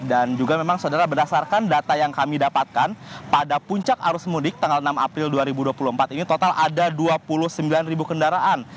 juga memang saudara berdasarkan data yang kami dapatkan pada puncak arus mudik tanggal enam april dua ribu dua puluh empat ini total ada dua puluh sembilan ribu kendaraan